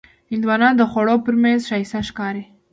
هندوانه د خوړو پر میز ښایسته ښکاري.